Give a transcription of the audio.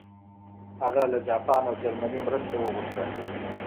هغه له جاپان او جرمني مرسته وغوښته.